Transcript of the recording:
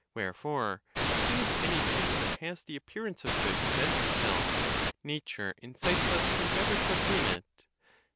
Wherefore, as soon as anything that has the appearance of good presents itself, nature incites us to endeavor to obtain it.